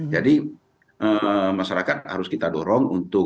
jadi masyarakat harus kita dorong untuk